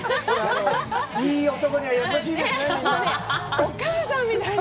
いい男には優しいですね、みんな。